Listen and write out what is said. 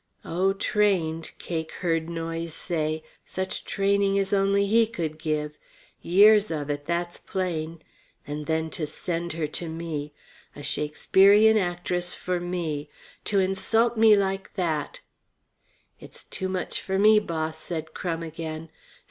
"Oh, trained," Cake heard Noyes say. "Such training as only he could give. Years of it, that's plain. And then to send her to me. A Shakespearean actress for me! To insult me like that " "It's too much for me, Boss," said Crum again.